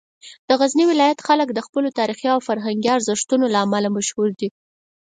د غزني ولایت خلک د خپلو تاریخي او فرهنګي ارزښتونو له امله مشهور دي.